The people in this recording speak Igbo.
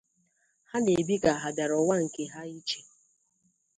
Ha na-ebi ka ha ọ bịara ụwa nke ha iche